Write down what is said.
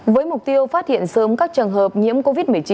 với mục tiêu phát hiện sớm các trường hợp nhiễm covid một mươi chín